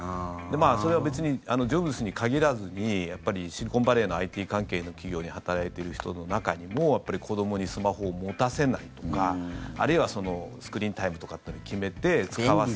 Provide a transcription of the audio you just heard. それは別にジョブズに限らずにやっぱりシリコンバレーのＩＴ関係の企業に働いてる人の中にもやっぱり子どもにスマホを持たせないとかあるいはスクリーンタイムとかを決めて、使わせる。